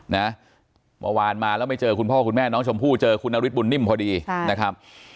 เมื่อวานมาแล้วไม่เจอคุณพ่อคุณแม่น้องชมพู่เจอคุณนฤทธบุญนิ่มพอดีนะครับ